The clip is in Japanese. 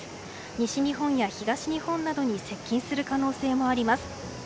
西日本や東日本などに接近する可能性もあります。